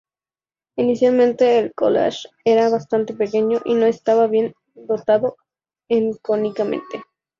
Inicialmente el college era bastante pequeño y no estaba bien dotado económicamente.